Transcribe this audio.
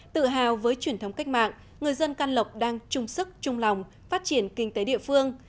tự hào với truyền thống cách mạng người dân can lộc đang chung sức chung lòng phát triển kinh tế địa phương